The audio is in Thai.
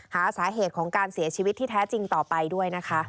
หาสาเหตุของการเสียชีวิตที่แท้จริงต่อไปด้วยนะคะ